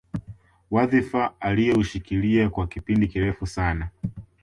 Wadhifa alioushikilia kwa kipindi kirefu sana